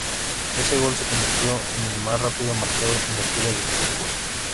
Ese gol se convirtió en el más rápido marcado en la historia del fútbol.